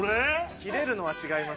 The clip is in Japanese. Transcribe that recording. キレるのは違います。